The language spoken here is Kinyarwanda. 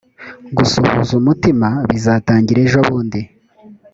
gusuhuza umutima bizatangira ejobundi